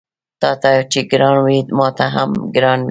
تاته چې ګران وي ماته هم ګران وي